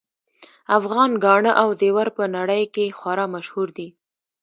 افغان ګاڼه او زیور په نړۍ کې خورا مشهور دي